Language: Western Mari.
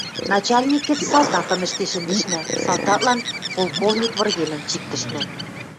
Начальник гӹц салтакым ӹштен шӹндӹшнӓ, салтаклан полковник выргемӹм чиктӹшнӓ.